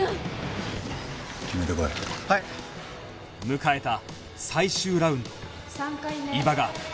迎えた最終ラウンド伊庭が勝負に出る